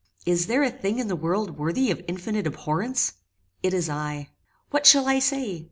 Is there a thing in the world worthy of infinite abhorrence? It is I. What shall I say!